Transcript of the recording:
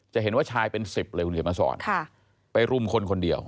จะเห็นว่าชายเป็น๑๐เลยคุณเขียนมาสอนไปรุมคนคนเดียว